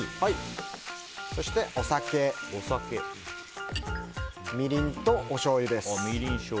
そして、お酒、みりんとおしょうゆです。